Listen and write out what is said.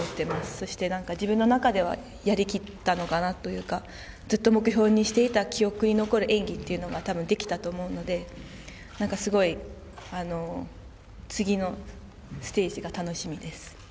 そして自分の中では、やり切ったのかなというか、ずっと目標にしていた記憶に残る演技というのがたぶんできたと思うので、なんかすごい、次のステージが楽しみです。